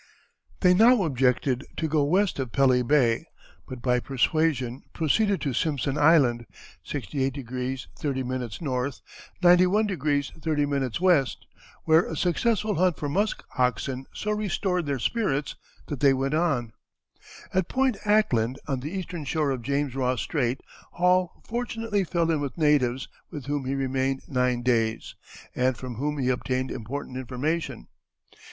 They now objected to go west of Pelly Bay, but by persuasion proceeded to Simpson Island, 68° 30´ N., 91° 30´ W., where a successful hunt for musk oxen so restored their spirits that they went on. At Point Ackland, on the eastern shore of James Ross Strait, Hall fortunately fell in with natives, with whom he remained nine days, and from whom he obtained important information.